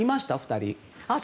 ２人。